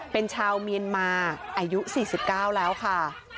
เป็นชาวเมียนมาอายุ๔๙แล้วค่ะ